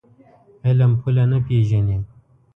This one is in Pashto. علم پوله نه پېژني.